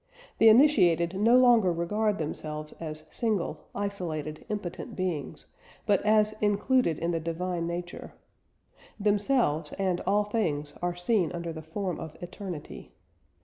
The initiated no longer regard themselves as single, isolated, impotent beings, but as included in the divine nature. Themselves and all things are seen under the form of eternity.